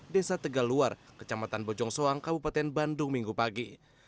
desa tegaluar kecamatan bojong soang kabupaten bandung minggu pagi